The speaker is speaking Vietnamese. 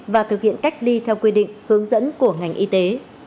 và thực hiện cách ly theo quy định hướng dẫn của ngành y tế